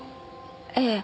ええ。